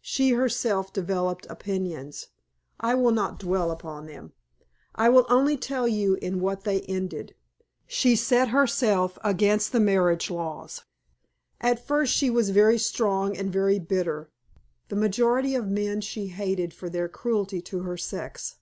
She herself developed opinions. I will not dwell upon them; I will only tell you in what they ended. She set herself against the marriage laws. At first she was very strong and very bitter. The majority of men she hated for their cruelty to her sex.